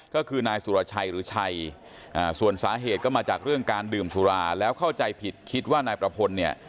ก็คือนายสุรชัยหรือชัยส่วนสาเหตุก็มาจากเรื่องการดื่มสุราแล้วเข้าใจผิดคิดว่านายประพลเนี่ย